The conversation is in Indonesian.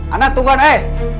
anak tungguan eh